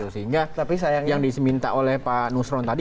sehingga yang diminta oleh pak nusron tadi